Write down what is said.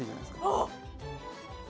あっ！